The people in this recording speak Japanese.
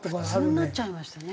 普通になっちゃいましたね。